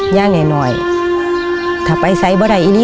ยังไงหน่อยถ้าไปใส่เบอร์ไหร่อีนี้